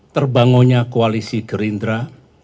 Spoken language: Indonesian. terbangunnya koalisi gerindra